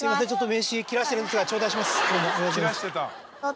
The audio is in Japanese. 名刺切らしてるんですが頂戴します。